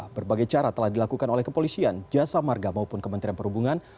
berbagai cara telah dilakukan oleh kepolisian jasa marga maupun kementerian perhubungan